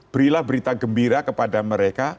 berilah berita gembira kepada mereka